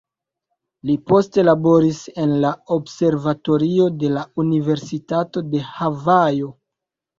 Li poste laboris en la observatorio de la Universitato de Havajo.